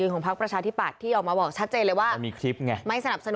คนเคยเคยกัน